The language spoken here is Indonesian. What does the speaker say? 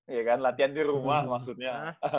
iya kan latihan di rumah maksudnya